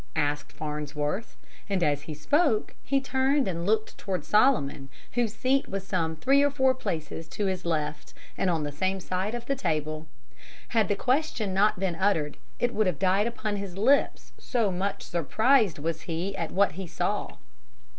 asked Farnsworth, and as he spoke he turned and looked toward Solomon, whose seat was some three or four places to his left, on the same side of the table. Had the question not been uttered, it would have died upon his lips, so much surprised was he at what he saw.